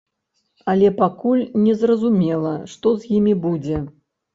Але пакуль незразумела, што з імі будзе.